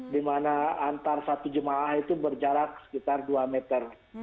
di mana antar satu jemaah itu berjarak sekitar dua meter